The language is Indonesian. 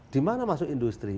dimana masuk industri